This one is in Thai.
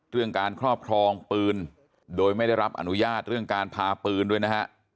เรื่องการครอบครองปืนโดยไม่ได้รับอนุญาตเรื่องการพาปืนด้วยนะฮะ